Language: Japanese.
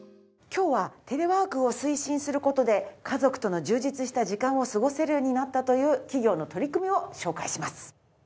今日はテレワークを推進する事で家族との充実した時間を過ごせるようになったという企業の取り組みを紹介します。